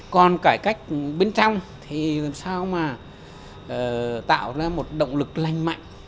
còn cải cách bên trong thì làm sao mà tạo ra một động lực lành mạnh